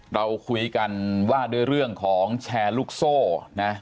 เราคุยกันว่าด้วยเรื่องของแชร์ลูกโซ่นะ